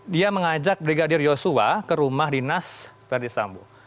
dia mengajak brigadir yosua ke rumah dinas ferdisambo